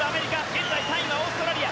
現在、３位はオーストラリア。